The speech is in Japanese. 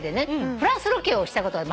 フランスロケをしたことがある。